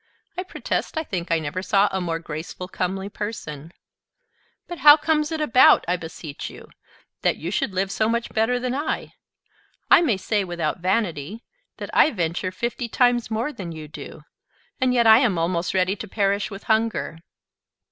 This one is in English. I protest, I think I never saw a more graceful, comely person; but how comes it about, I beseech you, that you should live so much better than I? I may say, without vanity, that I venture fifty times more than you do; and yet I am almost ready to perish with hunger."